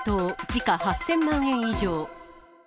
時価８０００万円以上。